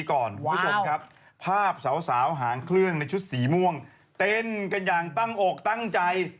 คุณผู้ชมครับภาพสาวหางเครื่องในชุดสีม่วงเต้นกันอย่างตั้งอกตั้งใจ